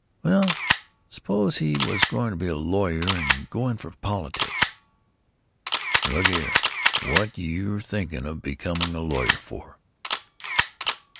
"Well, suppose he was going to be a lawyer and go in for politics?" "Look here. What 're you thinking of becoming a lawyer for?"